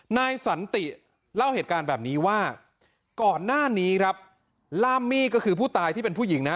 นายสันติเล่าเหตุการณ์แบบนี้ว่าก่อนหน้านี้ครับล่ามมี่ก็คือผู้ตายที่เป็นผู้หญิงนะ